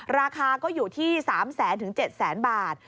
ราคาก็อยู่ที่๓๐๐๐๐๐๗๐๐๐๐๐บาท